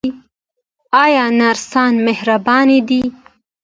آیا نرسان مهربان دي؟